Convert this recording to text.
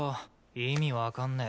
意味分かんねぇ。